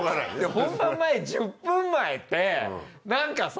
本番前１０分前ってなんかさ。